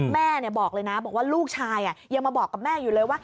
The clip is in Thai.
แม่บอกเลยนะบอกว่าลูกชายยังมาบอกกับแม่อยู่เลยว่า